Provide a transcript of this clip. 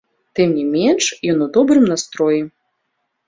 Тым не менш, ён у добрым настроі.